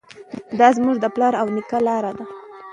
دا زموږ د پلار او نیکه لاره ده.